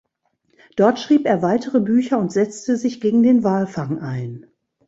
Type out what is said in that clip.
Dort schrieb er weitere Bücher und setzte sich gegen den Walfang ein.